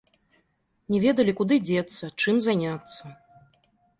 Не ведалі, куды дзецца, чым заняцца.